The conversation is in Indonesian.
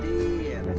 jangan lupa daftar hadir